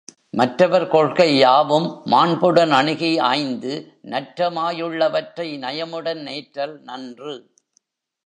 மற்றவர் கொள்கை யாவும் மாண்புடன் அணுகி ஆய்ந்து நற்றமா யுள்ள வற்றை நயமுடன் ஏற்றல் நன்று.